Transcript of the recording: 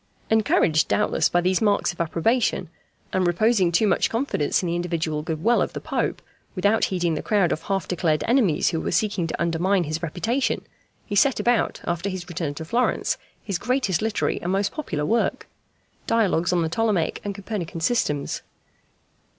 Encouraged, doubtless, by these marks of approbation, and reposing too much confidence in the individual good will of the Pope, without heeding the crowd of half declared enemies who were seeking to undermine his reputation, he set about, after his return to Florence, his greatest literary and most popular work, Dialogues on the Ptolemaic and Copernican Systems.